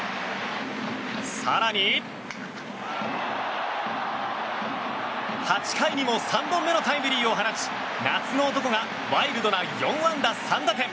更に８回にも３本目のタイムリーを放ち夏の男がワイルドな４安打３打点。